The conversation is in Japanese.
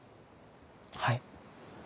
はい。